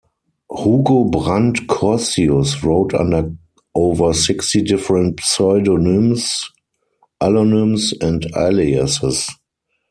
Hugo Brandt Corstius wrote under over sixty different pseudonyms, allonyms and aliases.